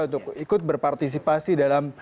untuk ikut berpartisipasi dalam